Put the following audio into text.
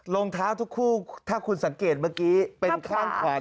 รองเท้าทุกคู่ถ้าคุณสังเกตเมื่อกี้เป็นข้างแขวน